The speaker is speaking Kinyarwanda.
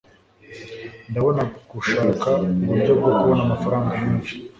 Ngomba gushaka uburyo bwo kubona amafaranga menshi.